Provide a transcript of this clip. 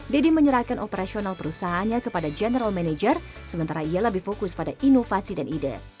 deddy menyerahkan operasional perusahaannya kepada general manager sementara ia lebih fokus pada inovasi dan ide